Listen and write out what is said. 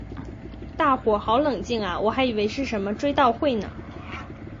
大伙好冷静啊我还以为是什么追悼会呢